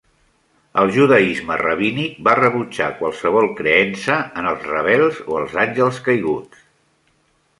El judaisme rabínic va rebutjar qualsevol creença en els rebels o els àngels caiguts.